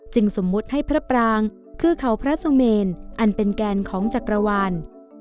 สมมุติให้พระปรางคือเขาพระสุเมนอันเป็นแกนของจักรวาล